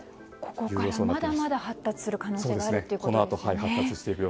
ここからまだまだ発達する可能性があるということですね。